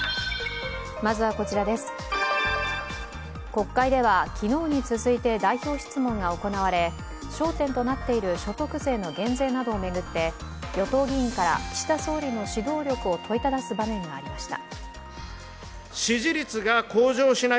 国会では昨日に続いて代表質問が行われ焦点となっている所得税の減税などを巡って、与党議員から岸田総理の指導力を問いただす場面がありました。